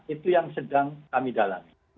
itu yang sedang kami dalami